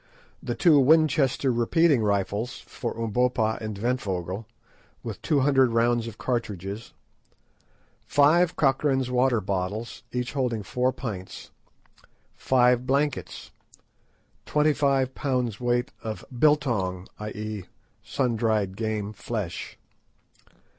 The two Winchester repeating rifles (for Umbopa and Ventvögel), with two hundred rounds of cartridge. Five Cochrane's water bottles, each holding four pints. Five blankets. Twenty five pounds' weight of biltong—i.e. sun dried game flesh.